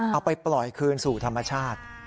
เอาไปปล่อยคืนสู่ธรรมชาติ